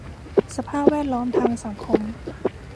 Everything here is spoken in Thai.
สภาพแวดล้อมทางสังคม